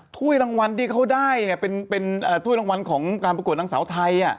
ถ้วยรางวัลที่เขาได้เป็นถ้วยรางวัลของการประกวดนางสาวไทย